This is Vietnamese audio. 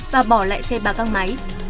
và bỏ lại xe ba găng máy